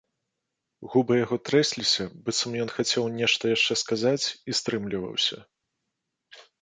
Губы яго трэсліся, быццам ён хацеў нешта яшчэ сказаць і стрымліваўся.